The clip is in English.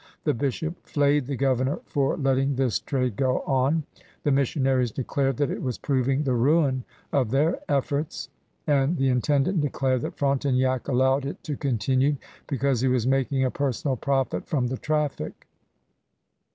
The bishop flayed the governor for letting this trade go on; the missionaries declared that it was proving the ruin of their efforts; and the intendant declared that Frontenac allowed it to continue because he was making a personal profit from the traffic.